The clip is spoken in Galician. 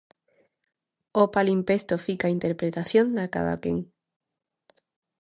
O palimpsesto fica á interpretación de cada quen.